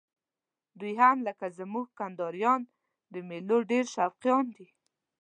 دوی هم لکه زموږ کندهاریان د میلو ډېر شوقیان دي.